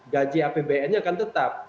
gaji apbn nya akan tetap